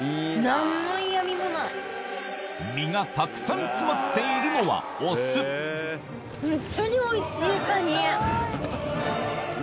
身がたくさん詰まっているのはホントにおいしいカニ。